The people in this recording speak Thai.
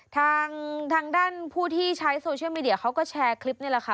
ทางด้านผู้ที่ใช้โซเชียลมีเดียเขาก็แชร์คลิปนี่แหละค่ะ